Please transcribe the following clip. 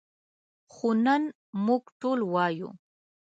خو نن موږ ټول وایو.